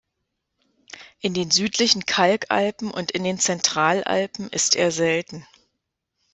In den Südlichen Kalkalpen und in den Zentralalpen ist er selten.